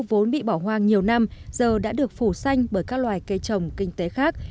vốn bị bỏ hoang nhiều năm giờ đã được phủ xanh bởi các loài cây trồng kinh tế khác